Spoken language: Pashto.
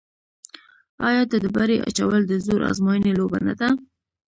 آیا د ډبرې اچول د زور ازموینې لوبه نه ده؟